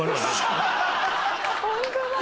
ホントだ。